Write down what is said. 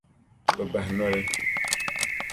Bɛ bahi noli.